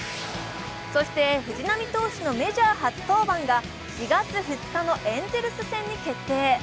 そして、藤浪投手のメジャー初登板が４月２日のエンゼルス戦に決定。